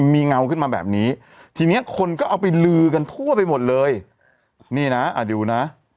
มีเงาขึ้นมาแบบนี้ทีเนี้ยคนก็เอาไปลือกันทั่วไปหมดเลยนี่นะอ่าดูนะ